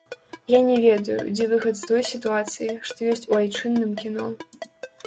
Я не ведаю, дзе выхад з той сітуацыі, што ёсць у айчынным кіно.